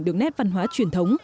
được nét văn hóa truyền thống